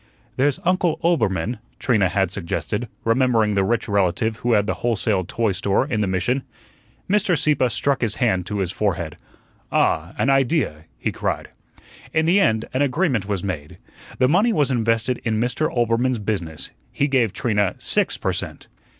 "There's Uncle Oelbermann," Trina had suggested, remembering the rich relative who had the wholesale toy store in the Mission. Mr. Sieppe struck his hand to his forehead. "Ah, an idea," he cried. In the end an agreement was made. The money was invested in Mr. Oelbermann's business. He gave Trina six per cent.